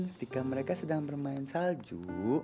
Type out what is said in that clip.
ketika mereka sedang bermain salju